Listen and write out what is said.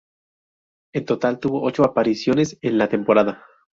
En total tuvo ocho apariciones en la temporada.